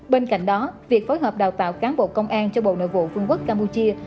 bên cạnh đó việc phối hợp đào tạo cán bộ công an cho bộ nội vụ vương quốc campuchia